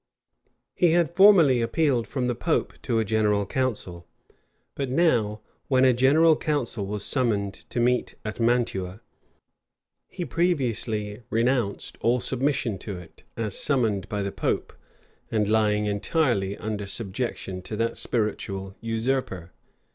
He had formerly appealed from the pope to a general council; but now, when a general council was summoned to meet at Mantua, he previously renounced all submission to it, as summoned by the pope, and lying entirely under subjection to that spiritual usurper.